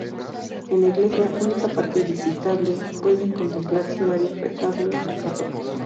En la iglesia, única parte visitable, pueden contemplarse varios retablos barrocos.